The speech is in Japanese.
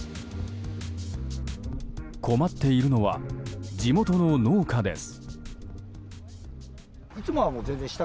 困っているのは地元の農家です。